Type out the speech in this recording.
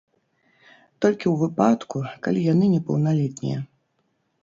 Толькі ў выпадку, калі яны непаўналетнія.